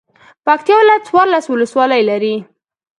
پکتيا ولايت څوارلس ولسوالۍ لری.